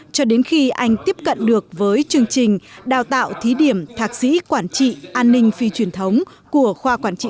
cho đến khi anh tiếp cận được với chương trình đào tạo thí điểm thạc sĩ quản trị an ninh phi truyền thống của khoa quản trị